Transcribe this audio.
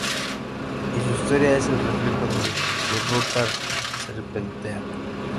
Y su historia es el reflejo de su ruta serpentea.